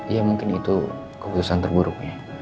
ya mungkin itu keputusan terburuknya